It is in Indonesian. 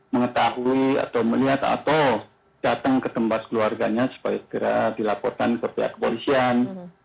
mengetahui atau melihat atau datang ke tempat keluarganya supaya segera dilaporkan ke pihak kepolisian